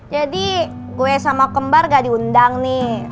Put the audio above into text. jadi gue sama kembar gak diundang nih